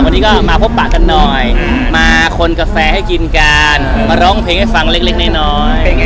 วันนี้ก็มาพบปะกันหน่อยมาคนกาแฟให้กินกันมาร้องเพลงให้ฟังเล็กน้อย